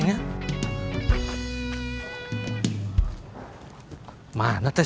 kemana si aceh